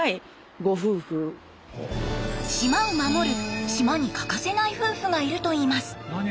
島を守る島に欠かせない夫婦がいるといいます。